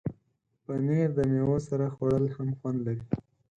پنېر د میوو سره خوړل هم خوند لري.